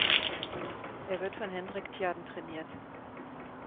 Er wird von Hendrik Tjaden trainiert.